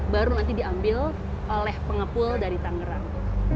baru nanti diambil oleh pengepul dari tangerang